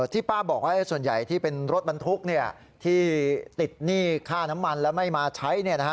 ที่ป้าบอกว่าส่วนใหญ่ที่เป็นรถบรรทุกที่ติดหนี้ค่าน้ำมันแล้วไม่มาใช้